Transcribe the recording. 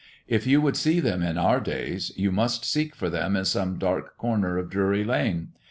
If you would see them in our days, you must seek for them in some dark corner of Drury Lane.